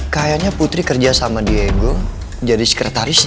kayanya putri kerja sama diego jadi sekretarisnya